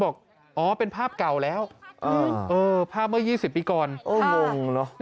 บอกว่าเป็นภาพเก่าแล้วภาพเมื่อ๒๐ปีก่อน